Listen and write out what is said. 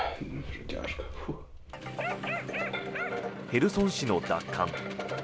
ヘルソン市の奪還。